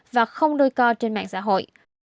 và không đôi co trên mạng xã hội